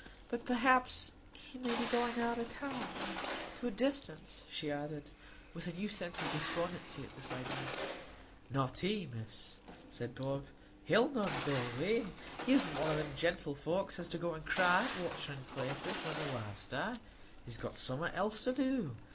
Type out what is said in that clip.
But perhaps he may be going out of town—to a distance," she added, with a new sense of despondency at this idea. "Not he, Miss," said Bob. "He'll none go away. He isn't one o' them gentlefolks as go to cry at waterin' places when their wives die; he's got summat else to do.